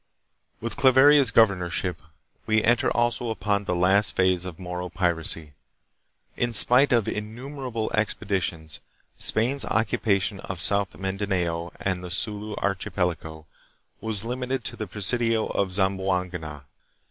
With Claveria's governorship we enter also upon the last phase of Moro piracy. In spite of innumerable expedi tions, Spain's occupation of South Mindanao and the Sulu archipelago was limited to the presidio of Zamboanga.